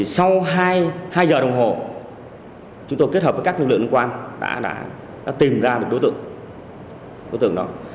sau hai giờ đồng hồ chúng tôi kết hợp với các lực lượng liên quan đã tìm ra đối tượng đó